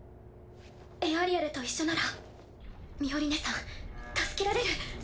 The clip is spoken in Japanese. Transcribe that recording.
エアリアルと一緒ならミオリネさん助けられる。